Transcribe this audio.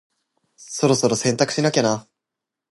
そろそろ洗濯しなきゃな。